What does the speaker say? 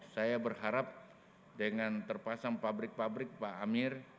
saya berharap dengan terpasang pabrik pabrik pak amir